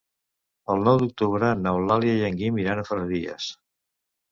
El nou d'octubre n'Eulàlia i en Guim iran a Ferreries.